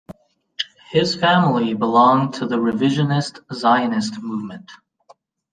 His family belonged to the Revisionist Zionist movement.